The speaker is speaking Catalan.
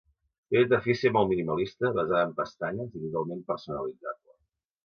Té una interfície molt minimalista basada en pestanyes i totalment personalitzable.